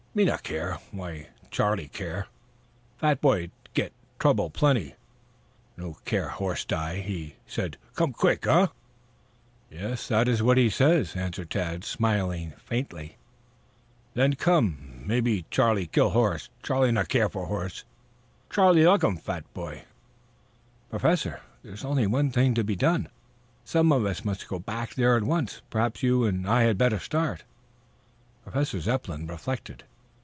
Me not care. Why Charlie care? Fat boy git trouble plenty. No care horse die. He say come quick, eh?" "Yes, that is what he says," answered Tad, smiling faintly. "Then come. Mebby Charlie kill horse. Charlie not care for horse. Charlie like um fat boy." "Professor, there is only one thing to be done. Some of us must go back there at once. Perhaps you and I had better start." Professor Zepplin reflected.